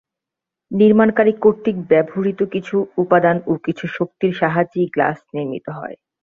নির্মাণকারী কর্তৃক ব্যবহৃত কিছু উপাদান ও কিছু শক্তির সাহায্যেই গ্লাস নির্মিত হয়।